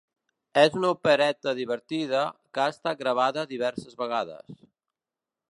És una opereta divertida que ha estat gravada diverses vegades.